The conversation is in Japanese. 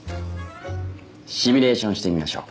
シミュレーションしてみましょう。